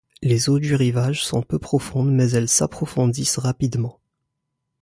Les eaux du rivage sont peu profondes mais elles s'approfondissent rapidement.